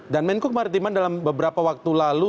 dan menko kemaritiman dalam beberapa waktu lalu